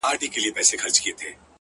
په دې وطن کي په لاسونو د ملا مړ سوم!!